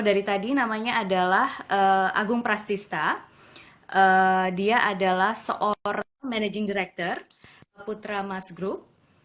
dari tadi namanya adalah agung prastista dia adalah seorang managing director putra mas group